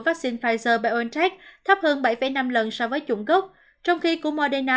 vắc xin pfizer biontech thấp hơn bảy năm lần so với chủng gốc trong khi của moderna